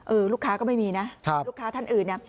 เออลูกค้าก็ไม่มีนะครับลูกค้าท่านอื่นน่ะ